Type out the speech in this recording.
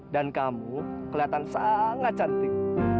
dan kamu kelihatan sangat cantik